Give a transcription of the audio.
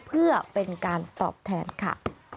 เพื่อเป็นการตอบแทนค่ะ